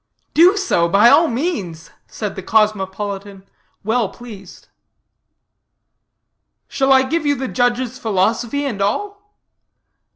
"Do so, by all means," said the cosmopolitan, well pleased. "Shall I give you the judge's philosophy, and all?"